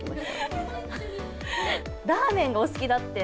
ラーメンがお好きだって？